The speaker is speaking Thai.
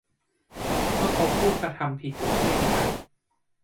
เมื่อพบผู้กระทำผิดอย่างเคร่งครัด